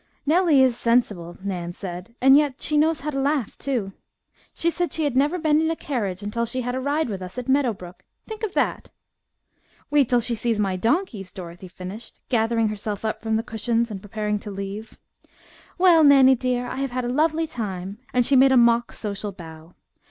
"Nellie is sensible," Nan said, "and yet she knows how to laugh, too. She said she had never been in a carriage until she had a ride with us at Meadow Brook. Think of that!" "Wait till she sees my donkeys!" Dorothy finished, gathering herself up from the cushions and preparing to leave. "Well, Nannie dear, I have had a lovely time," and she made a mock social bow.